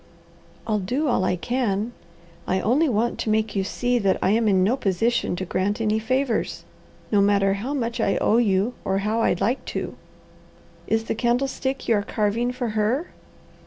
"I'll do all I can. I only want to make you see that I am in no position to grant any favours, no matter how much I owe you or how I'd like to. Is the candlestick you are carving for her?"